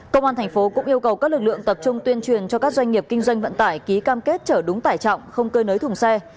công an tp đà nẵng cũng yêu cầu các lực lượng tập trung tuyên truyền cho các doanh nghiệp kinh doanh vận tải ký cam kết trở đúng tải trọng không cơ nới thùng xe